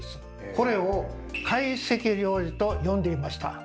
これを「懐石料理」と呼んでいました。